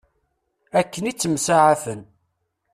Akken ittemsaɛafen.